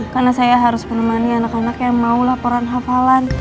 karena saya harus menemani anak anak yang mau laporan hafalan